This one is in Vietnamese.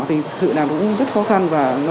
thì sự nào cũng rất khó khăn